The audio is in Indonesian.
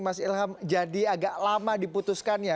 mas ilham jadi agak lama diputuskan ya